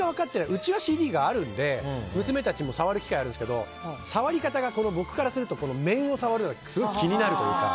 うちはＣＤがあるので娘たちも触る機会があるので触り方が僕からすると面を触るのがすごい気になるというか。